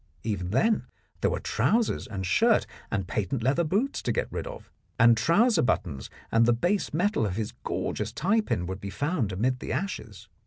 Even then there were trousers and shirt and patent leather boots to get rid of, and trouser buttons and the base metal of his gorgeous tie pin would be found amid the ashes.